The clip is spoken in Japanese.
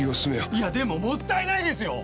いやでももったいないですよ！